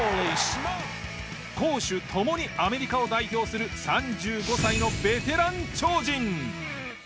攻守共にアメリカを代表する３５歳のベテラン超人。